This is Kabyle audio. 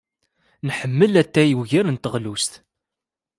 Nḥemmel atay ugar n teɣlust.